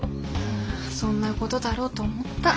ああそんなごどだろうと思った。